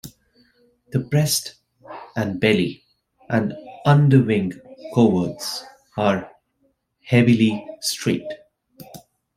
The breast and belly and underwing coverts are heavily streaked.